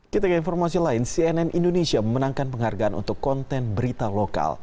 kita ke informasi lain cnn indonesia memenangkan penghargaan untuk konten berita lokal